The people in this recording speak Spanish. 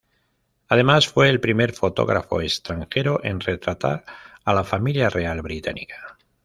Además, fue el primer fotógrafo extranjero en retratar a la Familia Real Británica.